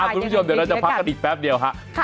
คุณผู้ชมเดี๋ยวเราจะพักกันอีกแป๊บเดียวครับ